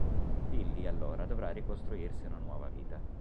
Tilly allora dovrà ricostruirsi una nuova vita.